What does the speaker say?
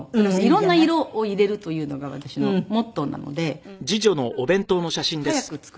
色んな色を入れるというのが私のモットーなので一番これが早く作れる。